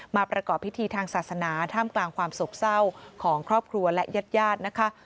ประกอบพิธีทางศาสนาท่ามกลางความโศกเศร้าของครอบครัวและญาติญาตินะคะ